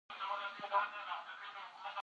له باکو څخه اورګاډي کې باتومي ته ولاړ.